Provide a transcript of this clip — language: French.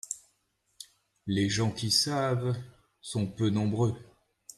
Les gens qui savent sont peu nombreux.